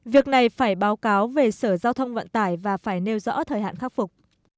việc này phải báo cáo về sở giao thông vận tải và phải nêu rõ thời hạn khắc phục